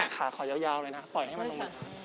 ขาขอยาวเลยนะปล่อยให้มันลง